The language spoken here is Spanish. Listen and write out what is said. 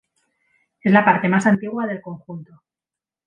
Es la parte más antigua del conjunto.